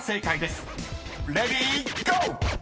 ［レディーゴー！］